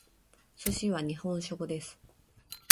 寿司は日本食です。